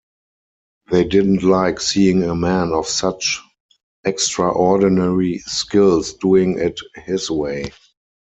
They didn't like seeing a man of such extraordinary skills doing it his way.